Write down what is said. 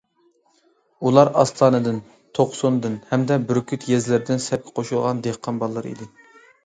ئۇلار ئاستانىدىن، توقسۇندىن ھەمدە بۈركۈت يېزىلىرىدىن سەپكە قوشۇلغان دېھقان بالىلىرى ئىدى.